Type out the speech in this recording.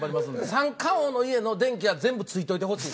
三冠王の家の電気は全部ついといてほしい。